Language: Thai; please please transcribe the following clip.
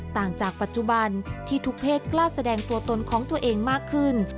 ต่างจากปัจจุบันที่ทุกเพศกล้าแสดงตัวตนของตัวเองมากขึ้น